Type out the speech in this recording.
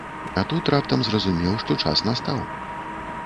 А тут раптам зразумеў, што час настаў.